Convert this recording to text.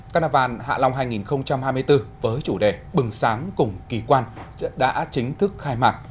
carnival hạ long hai nghìn hai mươi bốn với chủ đề bừng sáng cùng kỳ quan đã chính thức khai mạc